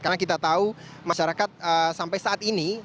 karena kita tahu masyarakat sampai saat ini